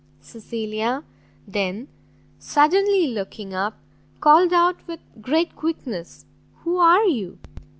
Cecilia then, suddenly looking up, called out with great quickness, "Who are you?"